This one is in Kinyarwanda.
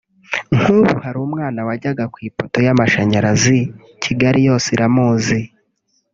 nk’ubu hari umwana wajyaga ku ipoto y’amashanyarazi Kigali yose iramuzi